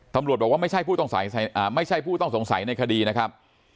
ทำรวจบอกว่าไม่ใช่ผู้ต้องสงสัยในคดีนะครับ